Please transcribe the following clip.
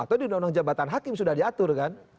atau di undang undang jabatan hakim sudah diatur kan